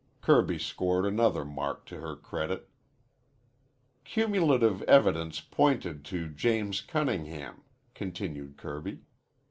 Kirby scored another mark to her credit. "Cumulative evidence pointed to James Cunningham," continued Kirby.